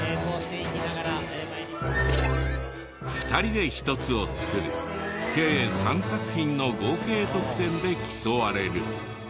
２人で１つを作る計３作品の合計得点で競われる。